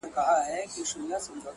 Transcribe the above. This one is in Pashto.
د غيږي د خوشبو وږم له مياشتو حيسيږي؛